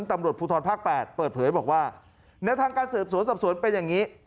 ตำรวจภูทรภาค๘เปิดเผยบอกว่าแนวทางการสืบสวนสอบสวนเป็นอย่างนี้